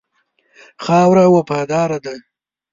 خاوره وفاداره ده.